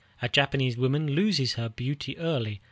A Japanese woman loses her beauty early.